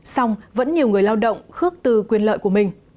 xong vẫn nhiều người lao động khước từ quyền lợi của mình